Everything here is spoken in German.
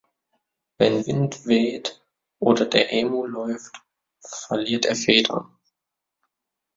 Wenn Wind weht oder der Emu läuft, verliert er Federn.